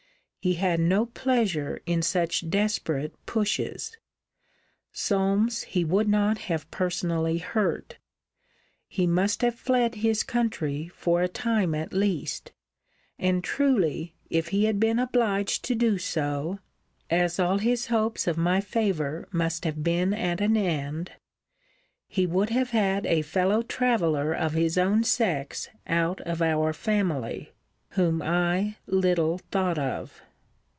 He had no pleasure in such desperate pushes. Solmes he would not have personally hurt. He must have fled his country, for a time at least: and, truly, if he had been obliged to do so, (as all his hopes of my favour must have been at an end,) he would have had a fellow traveller of his own sex out of our family, whom I little thought of.